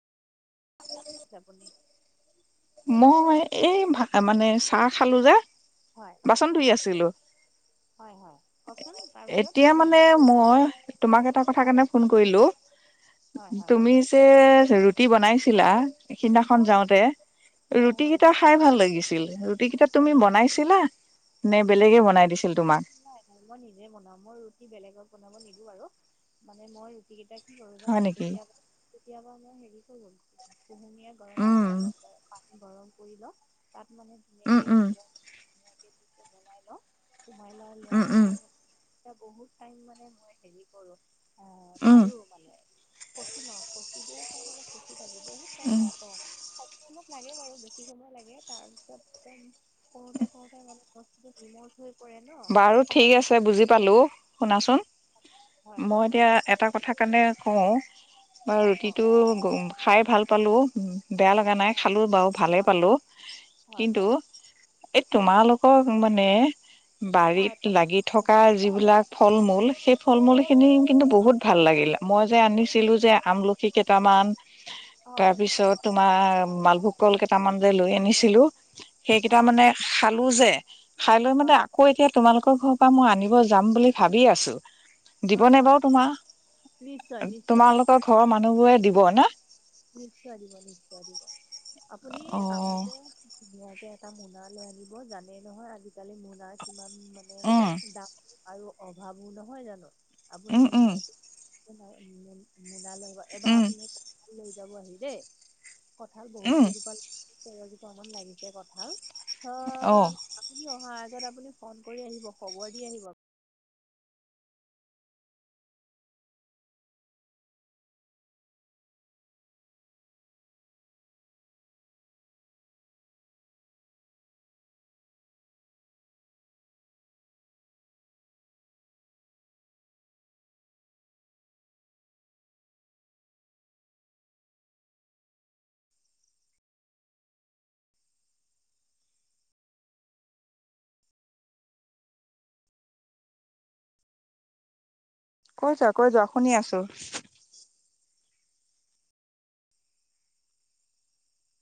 [unintelligible] মই এই ভা মানে চাহ খালো যে। হয়। বাচন ধুই আছিলো। হয় হয় কওকচোন তাৰপিছত এতিয়া কি মানে কৰিলে মই তোমাক এটা কথা হয় কাৰণে ফোন কৰিলোঁ। হয় হয় তুমি কওকচোন যে ৰু [unintelligible] বনাইছিলা সিদিনাখন অঁ যাওঁতে, হয় ৰুটি হয় কেইটা খাই ভাল লাগিছিল, ৰু [unintelligible] কেইটা তুমি বনাইছিলা নে বেলেগে বনাই দিছিল তোমাক। নাই মই নিজে বনাওঁ মই ৰুটি বেলেগক বনাব নিদো আৰু, মানে মই [unintelligible] কেইটা কি কৰো হয় জানে নেকি কেতিয়াবা, কেতিয়াবা মই হেৰি কৰো কুহুমীয়া গৰম পানী উম অলপ পানী গৰম কৰি লওঁ তাত মানে উম ধুনীয়াকৈ উম নিমখ ধুনীয়াকৈ [inaudible] বনাই লওঁ। সোমাই লোৱা লোৱাৰ উম উম পিছত এতিয়া বহুত টাইম মানে মই হেৰি কৰোঁ অ, উম মাৰো মানে ফচি লওঁ ফচিবোৰ [unintelligible] থাকো বহুত টাইম উম লাগে ত' [unintelligible] লাগে বাৰু বেছি সময় লাগে তাৰ পিছত একদম কৰোতে, কৰোতে মানে [unintelligible] বাৰু ঠিক সহজ আছে বুজি পালোঁ হয় শুনাচোন, হয় মই কওকচোন এতিয়া এটা কথা কাৰণে কওঁ বা হয় কওক ৰুটিটো খাই ভাল পালোঁ। বেয়া লগা হয় নাই হয় খালোঁ বাৰু ভালেই হয় পালোঁ, হয় কিন্তু কওক এই তোমালোকক মানে হয় বাৰীত লাগি থকা কওকচোন অ অ যিবিলাক ফল-মূল সেই ফল-মূলখিনি অ কিন্তু বহুত ভাল লাগিলে। মই যে অ আনিছিলো যে আমলখি কেইটামান তাৰ হয় পিছত তোমাৰ অ মালভোগ কল কি কেইটামান কি- যে লৈ আনিছিলো সেইকেইটা হয় মানে খালো যে খাই লৈ মানে হয় আকৌ এতিয়া তোমালোকৰ ঘৰৰ পৰা মই আনিব যাম বুলি ভাবি আছোঁ। দিব হয় নে হয় বাৰু তোমাৰ, নিশ্চয় নিশ্চয় তোমালোকৰ ঘৰৰ মানুহ বোৰে দিব নে। নিশ্চয় দিব, নিশ্চয় দিব আপুনি অ আহোঁতে ধুনীয়াকে এটা মোনা লৈ আনিব জানেই নহয় আজিকালি মোনা ইমান মানে উম দাম আৰু অভাৱো নহয় জানো। আপুনি উম উম ধুনীয়াকে মোন মোনালৈ আহিব এবাৰ উম আপুনি কঁঠাল লৈ যাব আহি দেই, কঁঠাল বহুত উম কেইজোপা [unintelligible] লাগিছে কঁঠাল অ [unintelligible] আপুনি অহাৰ আগত আপুনি ফোন কৰি আহিব খবৰ দি আহিব। কৈ যোৱা, কৈ যোৱা শুনি আছো।